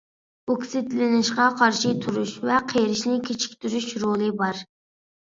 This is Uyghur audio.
ئوكسىدلىنىشقا قارشى تۇرۇش ۋە قېرىشنى كېچىكتۈرۈش رولى بار.